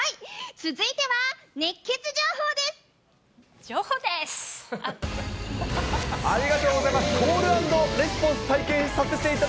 続いては、熱ケツ情報です。